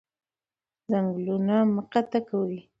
ځنګلونه مه قطع کوئ